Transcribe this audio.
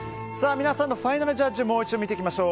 皆さんのファイナルジャッジもう一度見ていきましょう。